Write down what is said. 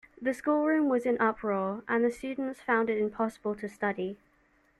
The schoolroom was in uproar, and the student found it impossible to study